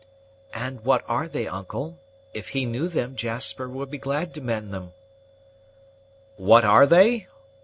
"And what are they, uncle? If he knew them, Jasper would be glad to mend them." "What are they?